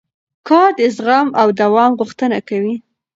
کار د زغم او دوام غوښتنه کوي